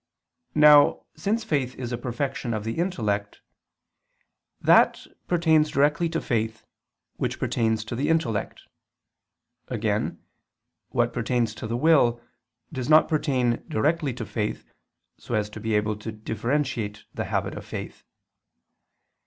Now since faith is a perfection of the intellect, that pertains directly to faith, which pertains to the intellect. Again, what pertains to the will, does not pertain directly to faith, so as to be able to differentiate the habit of faith.